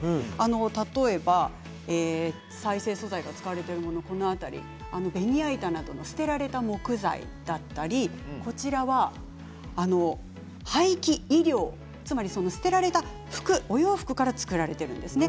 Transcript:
例えば再生素材が使われているもの、この辺り、ベニヤ板などの捨てられた木材だったりこちらは廃棄衣料、つまり捨てられた服から作られているんですね。